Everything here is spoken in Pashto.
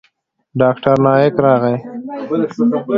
ډاکتر نايک راغى.